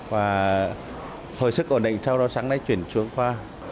và hồi sức ổn định sau đó sáng nay chuyển xuống qua